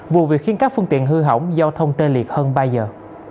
vụ việc khiến các phương tiện hư hỏng giao thông tê liệt hơn ba giờ